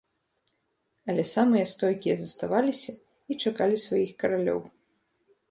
Але самыя стойкія заставаліся і чакалі сваіх каралёў.